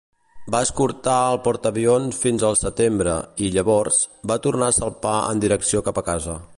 Va escortar el portaavions fins al setembre i, llavors, va tornar a salpar en direcció cap a casa.